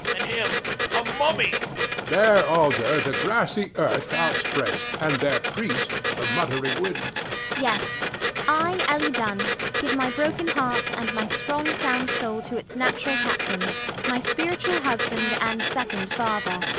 And him a mummy! HECTOR [quoting Shelley]. "Their altar the grassy earth outspreads And their priest the muttering wind." ELLIE. Yes: I, Ellie Dunn, give my broken heart and my strong sound soul to its natural captain, my spiritual husband and second father.